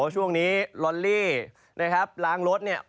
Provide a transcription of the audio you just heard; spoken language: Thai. ช่วงนี้ลอลลี่นะครับล้างรถเนี่ย